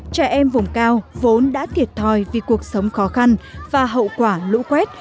trẻ em vùng cao vốn đã thiệt thòi vì cuộc sống khó khăn và hậu quả lũ quét